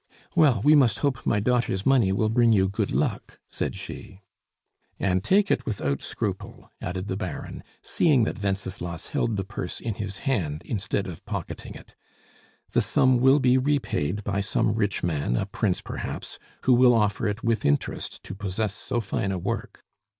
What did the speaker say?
"Well, we must hope my daughter's money will bring you good luck," said she. "And take it without scruple," added the Baron, seeing that Wenceslas held the purse in his hand instead of pocketing it. "The sum will be repaid by some rich man, a prince perhaps, who will offer it with interest to possess so fine a work."